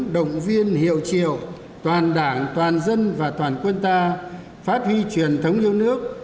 động viên hiệu triệu toàn đảng toàn dân và toàn quân ta phát huy truyền thống yêu nước